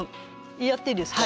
やっていいですか？